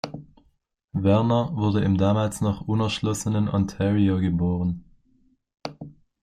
Verner wurde im damals noch unerschlossenen Ontario geboren.